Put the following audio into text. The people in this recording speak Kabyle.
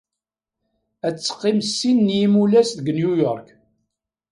Ad teqqim sin n yimulas deg New York.